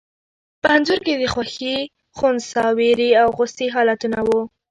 په انځور کې د خوښي، خنثی، وېرې او غوسې حالتونه وو.